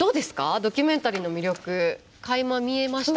ドキュメンタリーの魅力かいま見えましたかね？